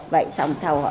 vậy xong sau họ mới gọi lại